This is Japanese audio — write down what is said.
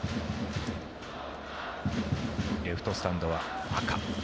レフトスタンドは赤。